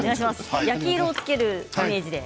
焼き色をつけるイメージで。